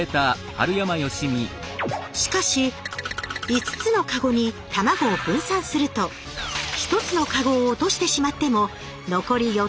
しかし５つのカゴに卵を分散すると１つのカゴを落としてしまっても残り４つは無事。